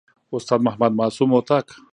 استاد محمد معصوم هوتک